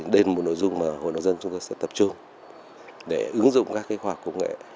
đây là một nội dung mà hội nông dân chúng tôi sẽ tập trung để ứng dụng các khoa học công nghệ